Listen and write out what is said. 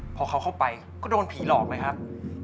พอเขาเข้าไปก็โดนผีหลอกเลยครับ